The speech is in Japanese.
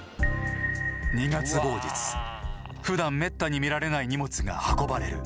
ふだんめったに見られない荷物が運ばれる。